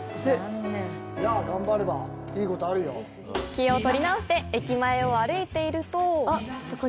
気を取り直して、駅前を歩いていると。